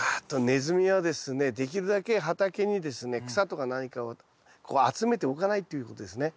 ネズミはですねできるだけ畑にですね草とか何かをこう集めておかないっていうことですね。